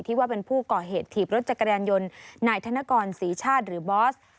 ว่าเป็นผู้ก่อเหตุถีบรถจักรยานยนต์นายธนกรศรีชาติหรือบอส